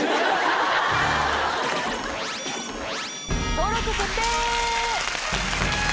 登録決定！